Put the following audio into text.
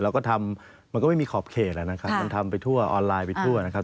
เราก็ทำมันก็ไม่มีขอบเขตนะครับมันทำไปทั่วออนไลน์ไปทั่วนะครับ